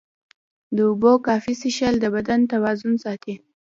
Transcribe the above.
د اوبو کافي څښل د بدن توازن ساتي.